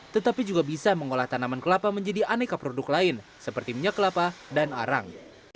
tetapi juga bisa mengolah tanaman kelapa menjadi aneka produk lain seperti minyak kelapa dan arang